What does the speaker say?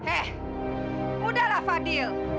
eh udahlah fadil